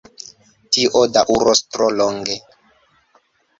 Tio daŭros tro longe!